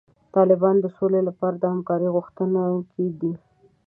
طالبان د سولې لپاره د همکارۍ غوښتونکي دي.